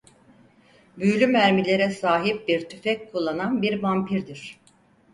Büyülü mermilere sahip bir tüfek kullanan bir vampirdir.